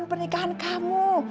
ini pernikahan kamu